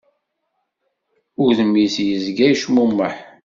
Udem-is yezga yecmumeḥ.